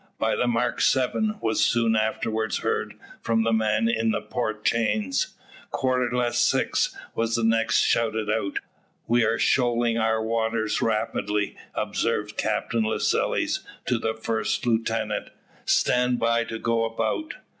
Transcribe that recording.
"By the mark seven," was soon afterwards heard from the man in the port chains. "Quarter less six," was the next shouted out. "We are shoaling our water rapidly," observed Captain Lascelles to the first lieutenant. "Stand by to go about."